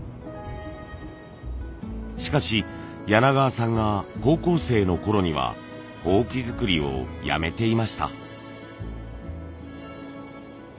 しかし柳川さんが高校生のころには箒作りをやめていました。